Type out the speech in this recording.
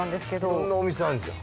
いろんなお店あんじゃん。